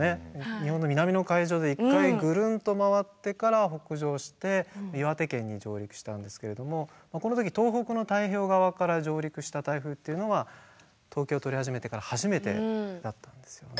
日本の南の海上で一回ぐるんと回ってから北上して岩手県に上陸したんですけれどもこの時東北の太平洋側から上陸した台風っていうのは統計をとり始めてから初めてだったんですよね。